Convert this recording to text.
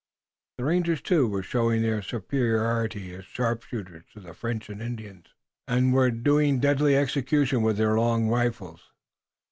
The rangers, too, were showing their superiority as sharpshooters to the French and Indians, and were doing deadly execution with their long rifles.